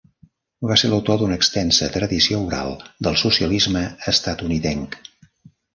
Va ser l'autor d'una extensa tradició oral del socialisme estatunidenc.